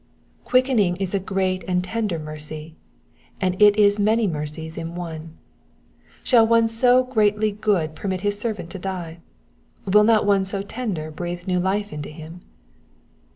Quickening is a great and tender mercy ; and it is many mercies in one. Shall one so greatly good permit his servant to die ? Will not one so tender breathe new Rfe into him?